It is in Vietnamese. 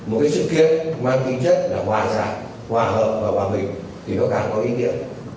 một cái sự kiện mang tính chất là hòa giải hòa hợp và hòa bình thì nó càng có ý nghĩa